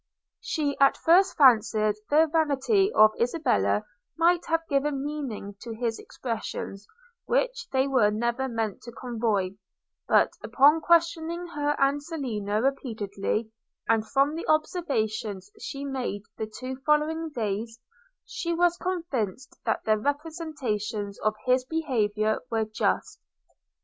She at first fancied the vanity of Isabella might have given meaning to his expressions which they were never meant to convey; but, upon questioning her and Selina repeatedly, and from the observations she made the two following days, she was convinced that their representations of his behaviour were just.